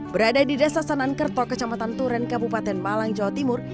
berada di desa sanankerto kecamatan turen kabupaten malang jawa timur